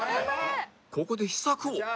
ここで秘策を